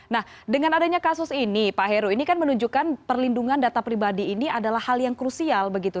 nah dengan adanya kasus ini pak heru ini kan menunjukkan perlindungan data pribadi ini adalah hal yang krusial begitu